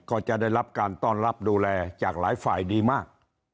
ก็จะได้รับการต้อนรับดูแลจากหลายฝ่ายดีมาก